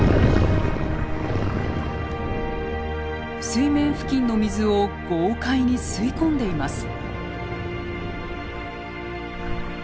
水面付近の水を豪快に吸い込んでいます。